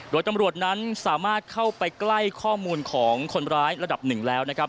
โดยจำรวจนั้นสามารถเข้าไปใกล้ข้อมูลของคนร้ายระดับ๑แล้ว